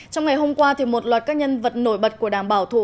trong ngày hôm qua một loạt các nhân vật nổi bật của đảng bảo thủ